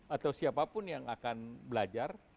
atau siapapun yang akan belajar